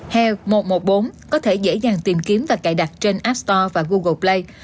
heo một trăm một mươi bốn có thể dễ dàng tìm kiếm và cài đặt trên app store và google play